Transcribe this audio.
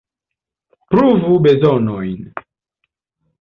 Pruvu bezonojn.